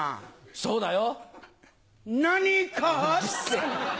そうだよ。